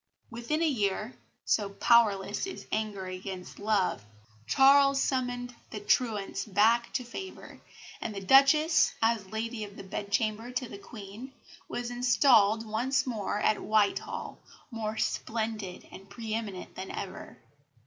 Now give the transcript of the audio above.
Within a year so powerless is anger against love Charles summoned the truants back to favour, and the Duchess, as Lady of the Bedchamber to the Queen, was installed once more at Whitehall, more splendid and pre eminent than ever.